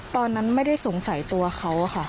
ตอนนั้นไม่ได้สงสัยตัวเขาค่ะ